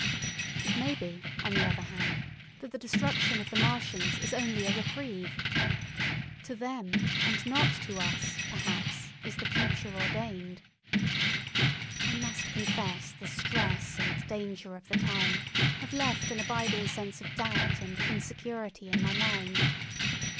It may be, on the other hand, that the destruction of the Martians is only a reprieve. To them, and not to us, perhaps, is the future ordained. I must confess the stress and danger of the time have left an abiding sense of doubt and insecurity in my mind.